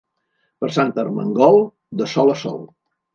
Per Sant Armengol, de sol a sol.